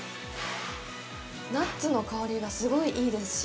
ナッツの香りがすごいいいですし。